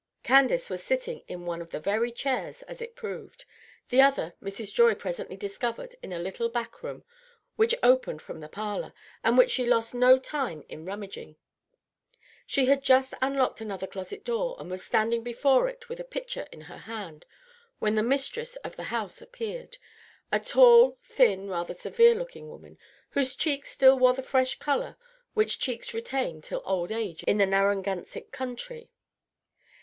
Candace was sitting in one of the very chairs, as it proved; the other Mrs. Joy presently discovered in a little back room which opened from the parlor, and which she lost no time in rummaging. She had just unlocked another closet door, and was standing before it with a pitcher in her hand, when the mistress of the house appeared, a tall, thin, rather severe looking woman, whose cheeks still wore the fresh color which cheeks retain till old age in the Narragansett country.